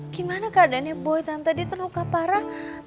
gimana keadaannya boy tante dia terluka parah